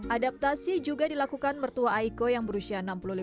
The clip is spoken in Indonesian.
adaptasi juga dilakukan bertua aiko yang berusia sembilan belas tahun